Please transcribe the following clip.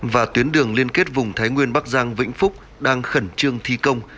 và tuyến đường liên kết vùng thái nguyên bắc giang vĩnh phúc đang khẩn trương thi công